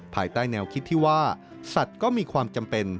ภายใต้แนวคิดที่ว่าสัตว์ก็มีความจำเป็น